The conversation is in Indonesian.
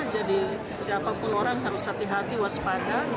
karena jadi siapapun orang harus hati hati waspada